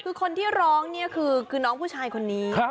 คือคนที่ร้องเนี่ยคือน้องผู้ชายคนนี้